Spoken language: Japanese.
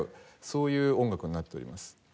そういう音楽になっております。